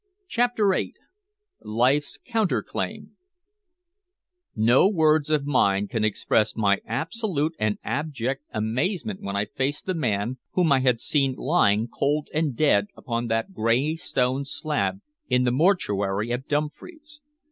CHAPTER VIII LIFE'S COUNTER CLAIM No words of mine can express my absolute and abject amazement when I faced the man, whom I had seen lying cold and dead upon that gray stone slab in the mortuary at Dumfries.